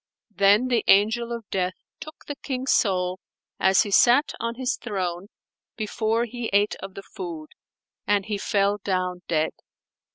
Then the Angel of Death took the King's soul as he sat on his throne before he ate of the food, and he fell down dead.